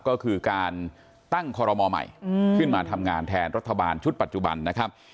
ก็คือการตั้งคอรมอลใหม่ขึ้นมาทำงานแทนรัฐบาลชุดปัจจุบันนะครับ